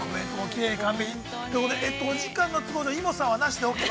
お時間の都合上イモさんは、なしでオーケー。